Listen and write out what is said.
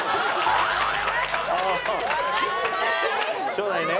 初代ね。